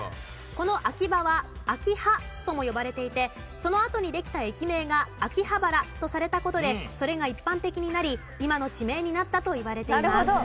この秋葉は秋葉とも呼ばれていてそのあとにできた駅名が秋葉原とされた事でそれが一般的になり今の地名になったといわれています。